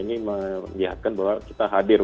ini mengingatkan bahwa kita hadir